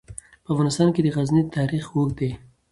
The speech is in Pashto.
په افغانستان کې د غزني تاریخ اوږد دی.